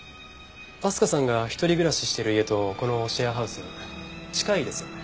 明日香さんが一人暮らししてる家とこのシェアハウス近いですよね。